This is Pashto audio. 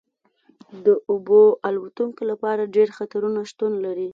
د اوبو الوتکو لپاره ډیر خطرونه شتون لري